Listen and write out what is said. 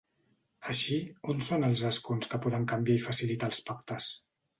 Així, on són els escons que poden canviar i facilitar els pactes?